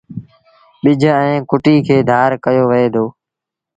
ٻج ائيٚݩ ڪُٽيٚ کي ڌآر ڪيو وهي دو۔